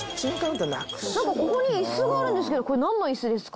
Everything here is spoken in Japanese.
何かここに椅子があるんですけどこれ何の椅子ですか？